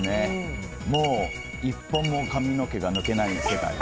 もう１本も髪の毛が抜けない世界。